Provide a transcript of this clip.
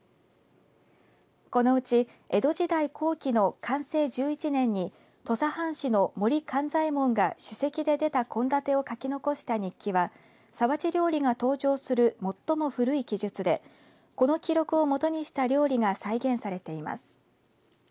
このうち江戸時代後期の寛政１１年に土佐藩士の森勘左衛門が酒席で出た献立を書き残した日記は皿鉢料理が登場する最も古い記述でこの記録をもとにした料理が再現されています。